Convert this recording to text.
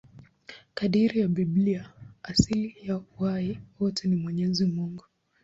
Kadiri ya Biblia, asili ya uhai wote ni Mwenyezi Mungu.